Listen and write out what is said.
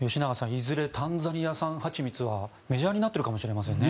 いずれタンザニア産蜂蜜はメジャーになってるかもしれませんね。